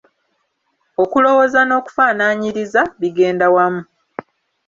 Okulowooza n'okufaanaanyiriza bigenda wamu.